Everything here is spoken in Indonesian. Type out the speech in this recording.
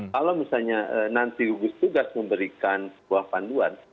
kalau misalnya nanti tugas memberikan buah panduan